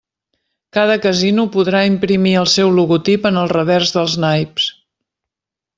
Cada casino podrà imprimir el seu logotip en el revers dels naips.